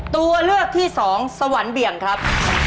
ตัวเลือกที่สองสวรรค์เบี่ยงครับ